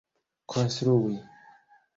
konstrui